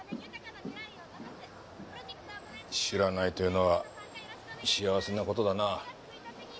知らないというのは幸せな事だなぁ。